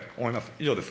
以上です。